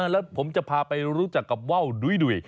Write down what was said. แล้วผมจะพาไปรู้จักกับว่าวดุ้ย